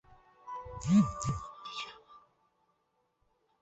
显脉红花荷为金缕梅科红花荷属下的一个种。